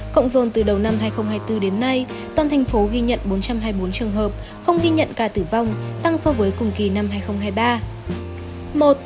cộng dồn từ đầu năm hai nghìn hai mươi bốn đến nay toàn thành phố ghi nhận bốn trăm hai mươi bốn trường hợp không ghi nhận ca tử vong tăng so với cùng kỳ năm hai nghìn hai mươi ba